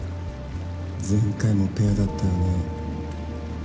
前回もペアだったよね。